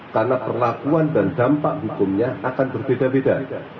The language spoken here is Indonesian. karena perlakuan dan dampak hukumnya akan berbeda beda